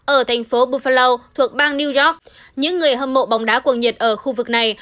ở thành phố bufalau thuộc bang new york những người hâm mộ bóng đá cuồng nhiệt ở khu vực này